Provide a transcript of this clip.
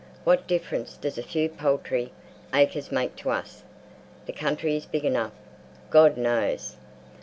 What difference does a few paltry acres make to us? The country is big enough, God knows!